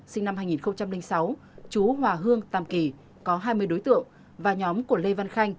sinh năm hai nghìn sáu chú hòa hương tam kỳ có hai mươi đối tượng và nhóm của lê văn khanh